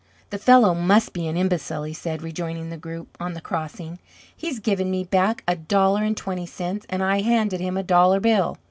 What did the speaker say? "The fellow must be an imbecile," he said, rejoining the group on the crossing. "He's given me back a dollar and twenty cents, and I handed him a dollar bill."